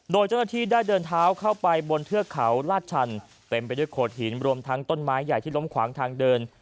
โดยเจ้าหน้าที่ได้เดินเท้าเข้าไปบนเทือกเขาลาดชันเต็มไปด้วยโขดหินรวมทั้งต้นไม้ใหญ่ที่ล้มขวางทางเดิน